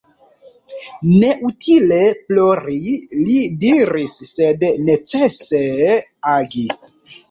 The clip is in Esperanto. Neutile plori, li diris, sed necese agi.